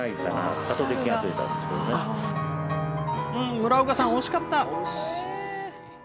村岡さん、惜しかった！